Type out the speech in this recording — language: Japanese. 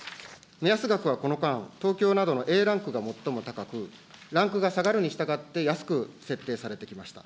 目安額はこの間、東京などのＡランクが最も高く、ランクが下がるにしたがって、安く設定されてきました。